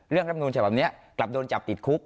เรื่องรำนูนฉบับเนี่ยกลับโดนจับติดคุบ